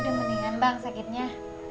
udah mendingan bang sakitnya